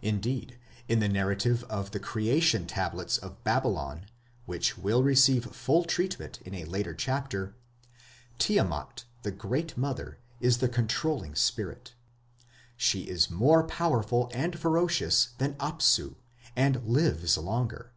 Indeed, in the narrative of the Creation Tablets of Babylon, which will receive full treatment in a later chapter, Tiamat, the great mother, is the controlling spirit. She is more powerful and ferocious than Apsu, and lives longer.